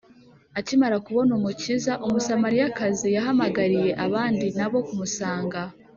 Akimara kubona Umukiza, Umusamariyakazi yahamagariye abandi na bo kumusanga.